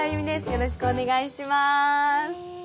よろしくお願いします。